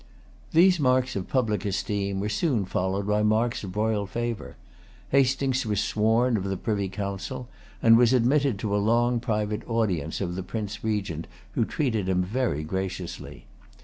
These marks of public esteem were soon followed by marks of royal favor. Hastings was sworn of the Privy Council, and was admitted to a long private audience of the Prince Regent, who treated him very graciously.